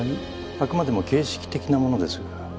あくまでも形式的なものです。